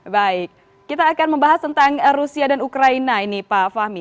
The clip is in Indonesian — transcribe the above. baik kita akan membahas tentang rusia dan ukraina ini pak fahmi